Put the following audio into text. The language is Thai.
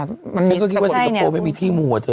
ฉันก็คิดว่าสิงคโปร์ไม่มีที่มัวเถ